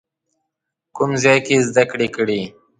کوم ځای کې یې زده کړې کړي؟